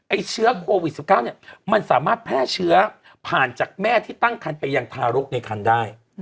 เชื้อโควิด๑๙เนี่ยมันสามารถแพร่เชื้อผ่านจากแม่ที่ตั้งคันไปยังทารกในคันได้